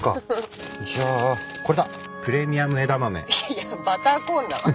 いやバターコーンだわ。